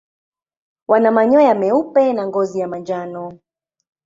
Wana manyoya meupe na ngozi ya manjano.